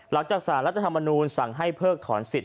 หลังจากสารรัฐธรรมนูลสั่งให้เพิกถอนสิทธ